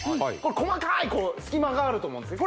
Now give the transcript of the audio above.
細かい隙間があると思うんですね